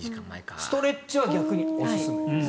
ストレッチは逆におすすめ。